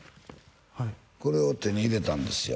はいこれを手に入れたんですよ